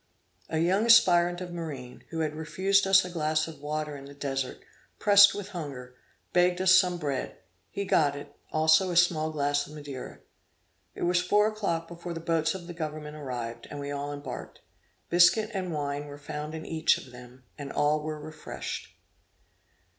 A young aspirant of marine, who had refused us a glass of water in the Desert, pressed with hunger, begged of us some bread; he got it, also a small glass of Madeira. It was four o'clock before the boats of the government arrived, and we all embarked. Biscuit and wine were found in each of them, and all were refreshed.